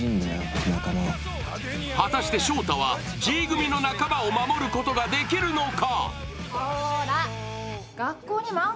果たして勝太はＧ組の仲間を守ることができるのか。